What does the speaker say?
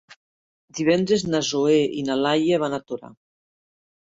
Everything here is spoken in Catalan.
Divendres na Zoè i na Laia van a Torà.